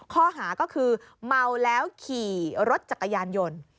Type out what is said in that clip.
ข้อหาก็คือเมาแล้วขี่รถจักรยานยนต์